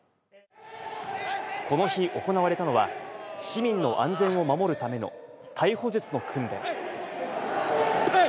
この日、行われたのは、市民の安全を守るための逮捕術の訓練。